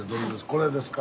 これですか？